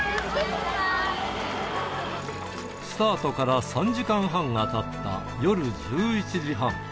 スタートから３時間半がたった夜１１時半。